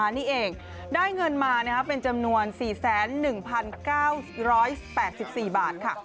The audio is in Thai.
ทั้งนี้ถั่วแรกเชิญยิ้มก็เป็นตัวแทนกล่าวของคุณธนภพ